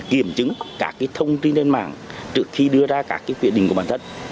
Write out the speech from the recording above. kiểm chứng cả cái thông tin trên mạng trước khi đưa ra cả cái quyết định của bản thân